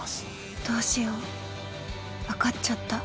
どうしよう分かっちゃった。